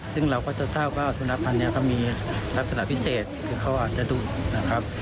ซึ่งเราก็จะทราบว่าสุนัขพันธ์นี้เขามีลักษณะพิเศษคือเขาอาจจะดุนะครับ